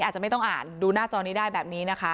อาจจะไม่ต้องอ่านดูหน้าจอนี้ได้แบบนี้นะคะ